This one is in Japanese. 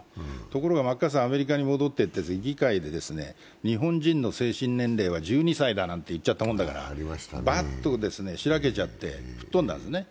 ところがマッカーサー、アメリカに戻ってきて議会で、日本人の精神年齢は１２歳だなんて言っちゃったもんだから、バッとしらけちゃって、吹っ飛んだんですね。